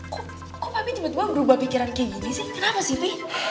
kok kok papi cuma berubah pikiran kayak gini sih kenapa sih pi